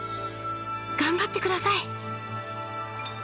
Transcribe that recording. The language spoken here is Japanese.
頑張って下さい。